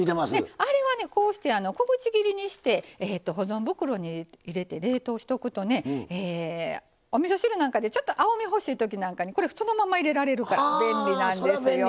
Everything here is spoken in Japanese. あれはこうして小口切りにして保存袋に入れて冷凍しとくとねおみそ汁なんかでちょっと青み欲しいときなんかにこれそのまま入れられるから便利なんですよ。